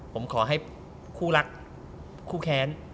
ผมขอให้คู่รักคู่แค้น